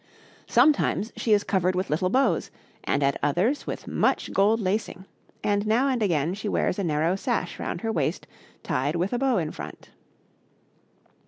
Sometimes she is covered with little bows, and at others with much gold lacing; and now and again she wears a narrow sash round her waist tied with a bow in front.